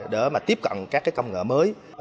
để tiếp cận các công nghệ mới